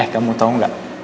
eh kamu tau gak